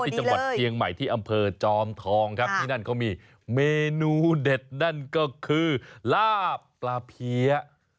ที่จังหวัดเชียงใหม่ที่อำเภอจอมทองครับที่นั่นเขามีเมนูเด็ดนั่นก็คือลาบปลาเพี้ย